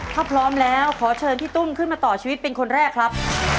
ถ้าพร้อมแล้วขอเชิญพี่ตุ้มขึ้นมาต่อชีวิตเป็นคนแรกครับ